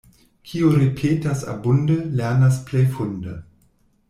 Kiu ripetas abunde, lernas plej funde.